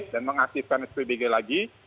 dan mengaktifkan spbg lagi